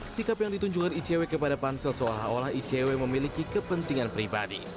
sikap yang ditunjukkan icw kepada pansel seolah olah icw memiliki kepentingan pribadi